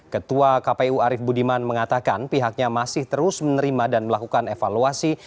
ketua kpu arief budiman mengatakan pihaknya masih terus menerima dan melakukan evaluasi